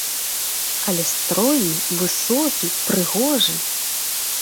Але стройны, высокі, прыгожы.